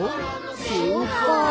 そうか。